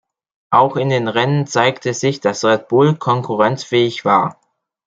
Auch in den Rennen zeigte sich, dass Red Bull konkurrenzfähig war.